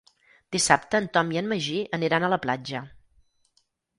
Dissabte en Tom i en Magí aniran a la platja.